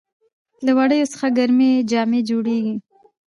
د وړیو څخه ګرمې جامې جوړیږي.